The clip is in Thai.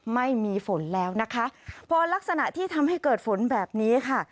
ไม่มีฝนแล้วนะคะพอลักษณะที่ทำให้เกิดฝนแบบนี้ค่ะ